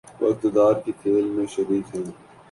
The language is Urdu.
وہ اقتدار کے کھیل میں شریک ہیں۔